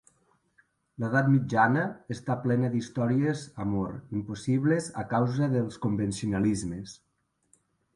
L'edat mitjana està plena d'històries amor, impossibles a causa dels convencionalismes.